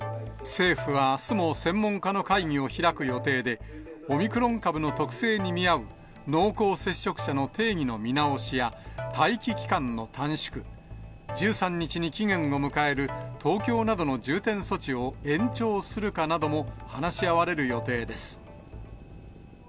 政府はあすも専門家の会議を開く予定で、オミクロン株の特性に見合う濃厚接触者の定義の見直しや、待機期間の短縮、１３日に期限を迎える東京などの重点措置を延長するかなども話し合われる予定です。